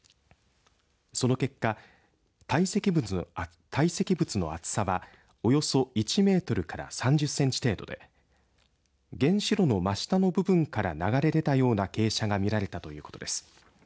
その結果、堆積物の厚さは、およそ１メートルから３０センチ程度で原子炉の真下の部分から流れ出たような傾斜が見られたということです。